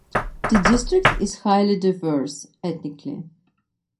The district is highly diverse ethnically.